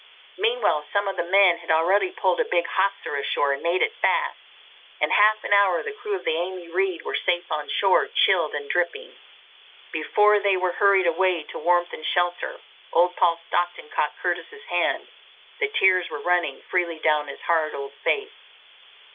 Meanwhile some of the men had already pulled a big hawser ashore and made it fast. In half an hour the crew of the Amy Reade were safe on shore, chilled and dripping. Before they were hurried away to warmth and shelter, old Paul Stockton caught Curtis's hand. The tears were running freely down his hard, old face.